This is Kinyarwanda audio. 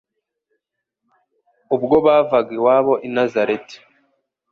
ubwo bavaga iwabo i Nazareti